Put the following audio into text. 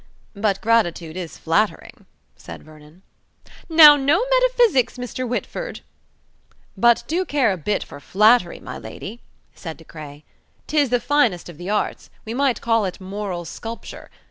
"But gratitude is flattering," said Vernon. "Now, no metaphysics, Mr. Whitford." "But do care a bit for flattery, my lady," said De Craye. "'Tis the finest of the Arts; we might call it moral sculpture.